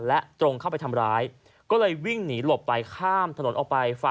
และตรงเข้าไปทำร้ายก็เลยวิ่งหนีหลบไปข้ามถนนออกไป